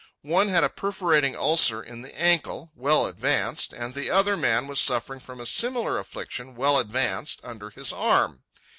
One had a perforating ulcer in the ankle, well advanced, and the other man was suffering from a similar affliction, well advanced, under his arm.